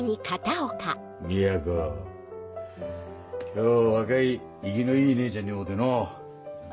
今日若い生きのいい姉ちゃんに会うての。